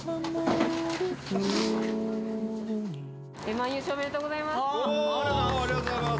Ｍ−１優勝おめでとうございます。